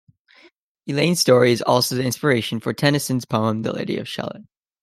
Elaine's story is also the inspiration for Tennyson's poem "The Lady of Shalott".